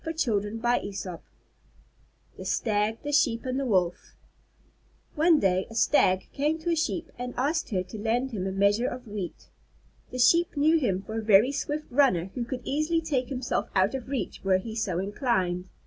_ THE STAG, THE SHEEP, AND THE WOLF One day a Stag came to a Sheep and asked her to lend him a measure of wheat. The Sheep knew him for a very swift runner, who could easily take himself out of reach, were he so inclined.